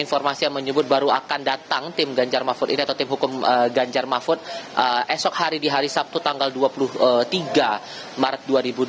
informasi yang menyebut baru akan datang tim ganjar mahfud ini atau tim hukum ganjar mahfud esok hari di hari sabtu tanggal dua puluh tiga maret dua ribu dua puluh